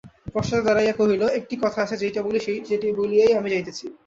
পশ্চাতে দাঁড়াইয়া কহিল, একটা কথা আছে, সেইটে বলিয়াই আমি যাইতেছি।